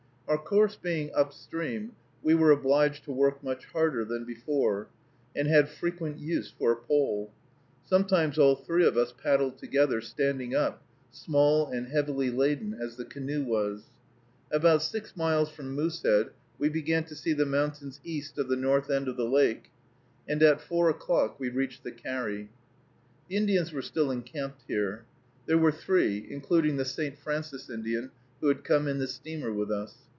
Our course being up stream, we were obliged to work much harder than before, and had frequent use for a pole. Sometimes all three of us paddled together, standing up, small and heavily laden as the canoe was. About six miles from Moosehead, we began to see the mountains east of the north end of the lake, and at four o'clock we reached the carry. The Indians were still encamped here. There were three, including the St. Francis Indian who had come in the steamer with us.